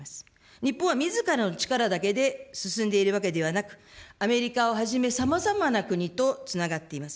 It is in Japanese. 日本はみずからの力だけで進んでいるわけではなく、アメリカをはじめ、さまざまな国とつながっています。